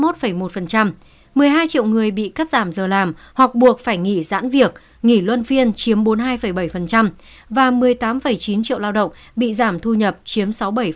một mươi hai triệu người bị cắt giảm giờ làm hoặc buộc phải nghỉ giãn việc nghỉ luân phiên chiếm bốn mươi hai bảy và một mươi tám chín triệu lao động bị giảm thu nhập chiếm sáu mươi bảy